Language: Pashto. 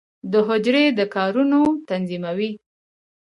د حجره د کارونو تنظیموي.